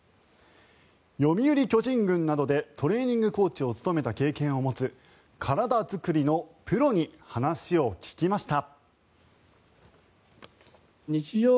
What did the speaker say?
読売巨人軍などでトレーニングコーチを務めた経験を持つ体づくりのプロに話を聞きました。